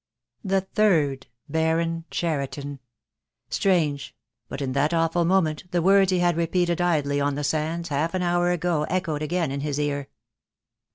"The third Baron Cheriton." Strange, but in that awful moment the words he had repeated idly on the sands half an hour ago echoed again in his ear.